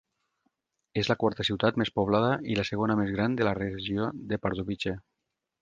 És la quarta ciutat més poblada i la segona més gran de la regió de Pardubice.